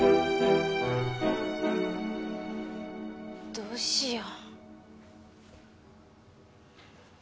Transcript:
どうしよう。